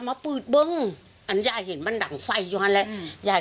มาพูดเบิ้งอันยายเห็นมันดังไฟอยู่อันแหละอืมยาย